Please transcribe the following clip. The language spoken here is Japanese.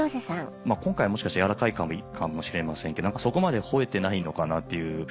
今回もしかして柔らかいかもしれませんけどそこまで吠えてないのかなっていう。